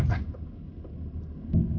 membuka lembaran baru lagi dengan elsa